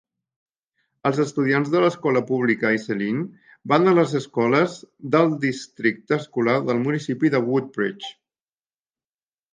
Els estudiants de l'escola pública Iselin van a les escoles del districte escolar del municipi de Woodbridge.